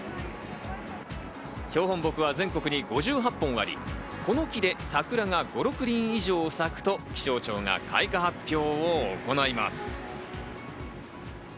標本木は全国に５８本あり、この木で桜が５６輪以上咲くと、気象庁が開花発表を行います。